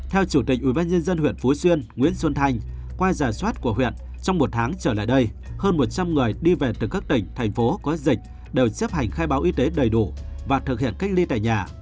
theo chủ tịch ubnd huyện phú xuyên nguyễn xuân thanh qua giả soát của huyện trong một tháng trở lại đây hơn một trăm linh người đi về từ các tỉnh thành phố có dịch đều chấp hành khai báo y tế đầy đủ và thực hiện cách ly tại nhà